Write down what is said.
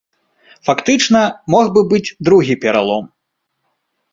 Фактычна, мог бы быць другі пералом.